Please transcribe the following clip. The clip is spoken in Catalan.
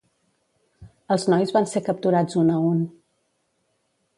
Els nois van ser capturats un a un.